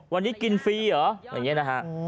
วันนี้กินฟรีเหรออะไรอย่างนี้นะฮะ